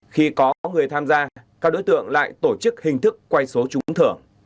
khi có người tham gia các đối tượng lại tổ chức hình thức quay số trúng thưởng